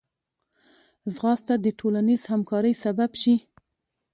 ځغاسته د ټولنیز همکارۍ سبب شي